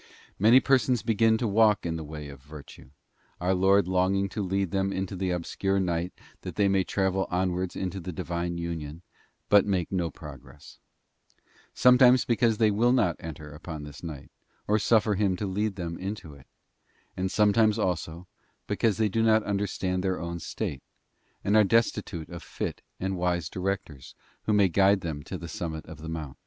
Many persons begin to walk in the way of virtue — our Lord longing to lead them into the obscure night that they may travel onwards into the Divine union — hut make no progress; sometimes because they will not enter upon this night, or suffer Him to lead them into it; and sometimes also because they do not understand their B2 PROLOGUE The Author's submission ot THE ASCENT OF MOUNT CARMEL. protocun, own state, and are destitute of fit and wise directors who Hindrances. may guide them to the summit of the mount.